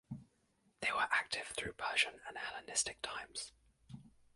They were active through Persian and Hellenistic times.